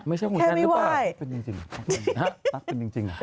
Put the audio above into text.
แค่ไม่ไหว้เป็นจริงนะเป็นจริงนะตั๊กเป็นจริง